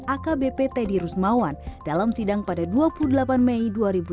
akbp teddy rusmawan dalam sidang pada dua puluh delapan mei dua ribu dua puluh